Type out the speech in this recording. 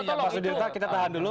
pak sudirta kita tahan dulu